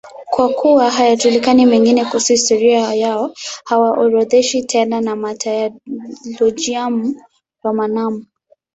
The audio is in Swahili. Kwa kuwa hayajulikani mengine kuhusu historia yao, hawaorodheshwi tena na Martyrologium Romanum.